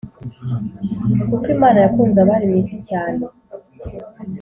Kuko Imana yakunze abari mu isi cyane,